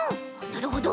なるほど！